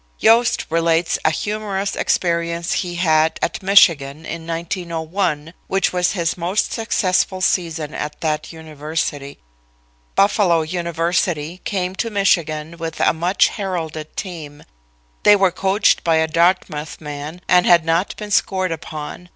Yost relates a humorous experience he had at Michigan in 1901, which was his most successful season at that University. "Buffalo University came to Michigan with a much heralded team. They were coached by a Dartmouth man and had not been scored upon.